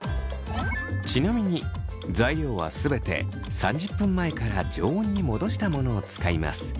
ちなみに材料は全て３０分前から常温に戻したものを使います。